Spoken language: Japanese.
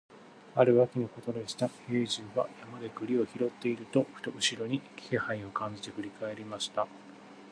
ある秋のことでした、兵十は山で栗を拾っていると、ふと後ろに気配を感じて振り返りました。